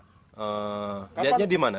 pernah lihatnya di mana